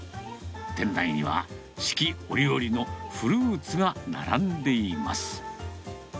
店内には四季折々のフルーツが並んでいます。